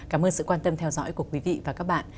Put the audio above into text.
cảm ơn sự quan tâm theo dõi của quý vị và các bạn